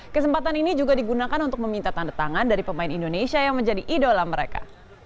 kesempatan ini juga digunakan untuk meminta tanda tangan dari pemain indonesia yang menjadi idola mereka